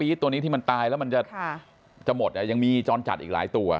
ตัวนี้ที่มันตายแล้วมันจะหมดยังมีจรจัดอีกหลายตัว